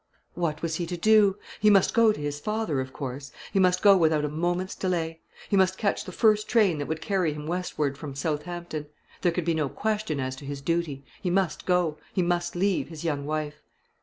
What was he to do? He must go to his father, of course. He must go without a moment's delay. He must catch the first train that would carry him westward from Southampton. There could be no question as to his duty. He must go; he must leave his young wife.